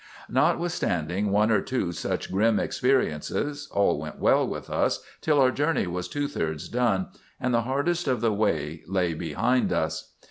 "Notwithstanding one or two such grim experiences, all went well with us till our journey was two thirds done, and the hardest of the way lay behind us.